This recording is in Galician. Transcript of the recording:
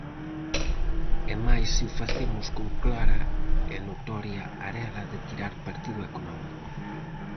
E máis se o facemos con clara e notoria arela de tirar partido económico.